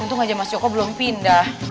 untung aja mas joko belum pindah